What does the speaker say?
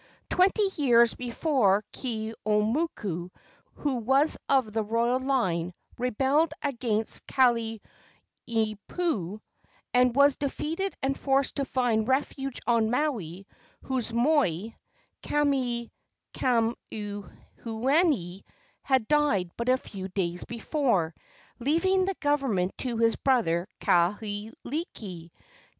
Twenty years before Keeaumoku, who was of the royal line, rebelled against Kalaniopuu, and was defeated and forced to find refuge on Maui, whose moi, Kamehamehanui, had died but a few days before, leaving the government to his brother Kahekili.